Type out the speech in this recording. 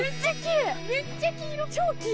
めっちゃ黄色。